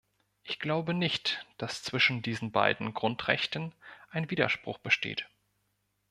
Ich glaube nicht, dass zwischen diesen beiden Grundrechten ein Widerspruch besteht.